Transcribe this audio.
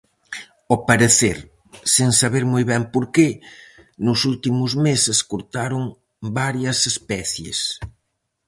Ao parecer, sen saber moi ben por que, nos últimos meses cortaron varias especies.